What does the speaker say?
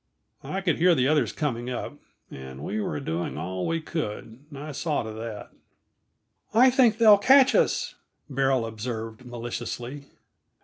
I could hear the others coming up, and we were doing all we could; I saw to that. "I think they'll catch us," Beryl observed maliciously.